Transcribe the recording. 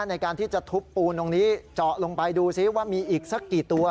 ในการที่จะทุบปูนตรงนี้เจาะลงไปดูซิว่ามีอีกสักกี่ตัว